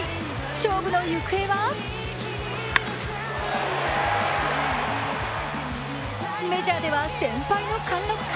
勝負の行方はメジャーでは先輩の貫禄か。